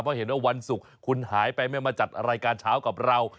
เพราะเห็นว่าวันศุกร์คุณหายไปไม่มาจัดรายการเช้ากับเรา